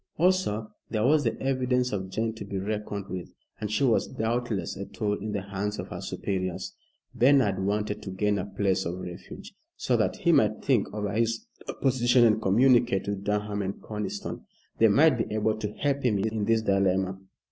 Also, there was the evidence of Jane to be reckoned with, and she was doubtless a tool in the hands of her superiors. Bernard wanted to gain a place of refuge, so that he might think over his position and communicate with Durham and Conniston. They might be able to help him in this dilemma.